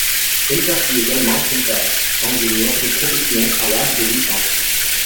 Elle perdit également son père, ingénieur de profession, à l’âge de huit ans.